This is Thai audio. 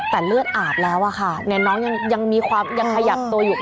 แต่เลือดอาบแล้วอะค่ะน้องยังมีความยังขยับตัวอยู่